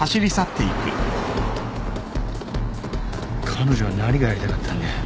彼女は何がやりたかったんだ？